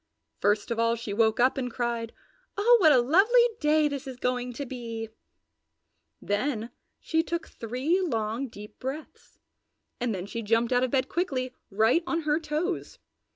First of all she woke up and cried, "Oh what a lovely day this is going to be!" Then she took three long, deep breaths and then she jumped out of bed quickly, right on her toes.